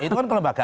itu kan kelembagaan